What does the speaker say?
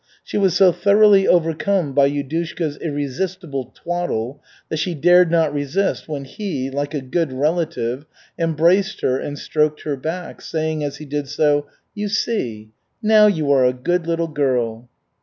She was so thoroughly overcome by Yudushka's irresistible twaddle that she dared not resist when he, like a good relative, embraced her and stroked her back, saying as he did so: "You see, now you are a good little girl."